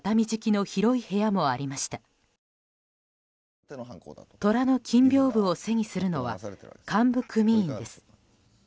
虎の金屏風を背にするのは幹部組員です。